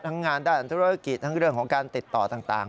ทั้งงานทั้งโฆษฐกิจทั้งเรื่องของการติดต่อต่าง